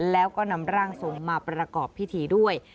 แล้วก็นำร่างทรงมาประกอบพิธีด้วย